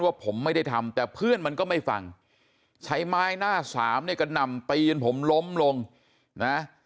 ว่าผมไม่ได้ทำแต่เพื่อนมันก็ไม่ฟังใช้ไม้หน้าสามเนี่ยกระหน่ำตีจนผมล้มลงนะ